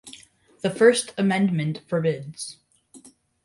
The First Amendment forbids.